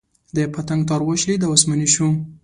د پتنګ تار وشلېد او اسماني شو.